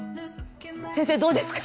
先生どうですか？